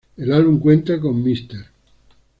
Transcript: El álbum cuenta con Mr.